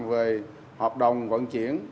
về hợp đồng vận chuyển